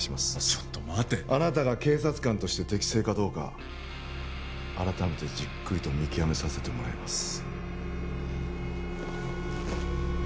ちょっと待てあなたが警察官として適正かどうか改めてじっくりと見極めさせてもらいます